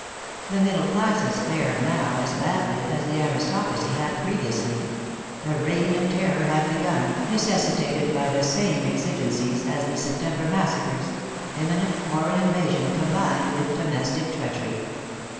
The middle classes fared now as badly as the aristocracy had previously. The reign of terror had begun, necessitated by the same exigencies as the September massacres — imminent foreign invasion combined with domestic treachery.